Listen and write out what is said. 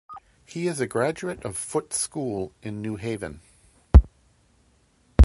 He is a graduate of Foote School in New Haven.